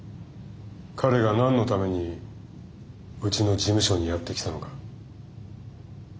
彼が何のためにうちの事務所にやって来たのか。